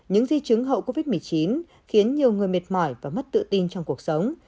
những di chứng hậu covid một mươi chín khiến nhiều người mệt mỏi và mất tự tin trong cuộc sống